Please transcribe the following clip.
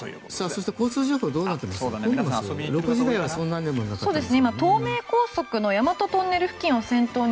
そして、交通情報どうなっています？